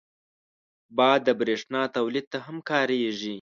باد د بریښنا تولید ته هم کارېږي